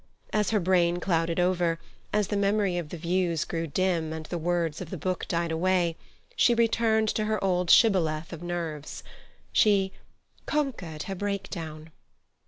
As her brain clouded over, as the memory of the views grew dim and the words of the book died away, she returned to her old shibboleth of nerves. She "conquered her breakdown."